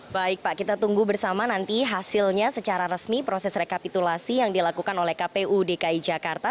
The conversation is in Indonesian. baik pak kita tunggu bersama nanti hasilnya secara resmi proses rekapitulasi yang dilakukan oleh kpu dki jakarta